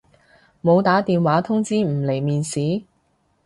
冇打電話通知唔嚟面試？